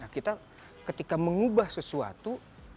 kita ketika mengubah sesuatu